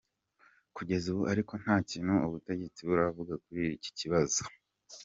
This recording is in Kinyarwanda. Kugeza ubu ariko nta kintu ubutegetsi buravuga kuri iki kibazo.